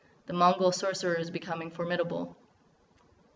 "The Mongol Sorcerer is becoming formidable."